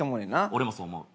俺もそう思う。